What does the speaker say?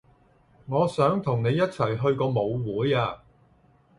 我想同你一齊去個舞會啊